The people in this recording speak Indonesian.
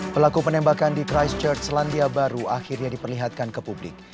pelaku penembakan di christchurch selandia baru akhirnya diperlihatkan ke publik